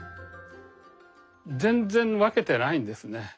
全然分けてないですね。